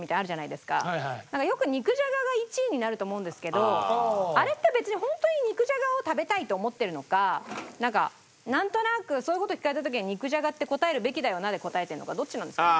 よく肉じゃがが１位になると思うんですけどあれって別にホントに肉じゃがを食べたいと思ってるのかなんかなんとなくそういう事聞かれた時は肉じゃがって答えるべきだよなで答えてるのかどっちなんですかね？